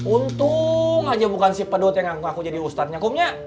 untung aja bukan si pedut yang ngaku ngaku jadi ustadznya kum nya